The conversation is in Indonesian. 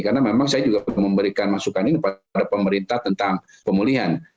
karena memang saya juga memberikan masukan ini kepada pemerintah tentang pemulihan